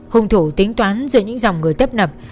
hùng thủ tính toán dưới những dòng người tấp nập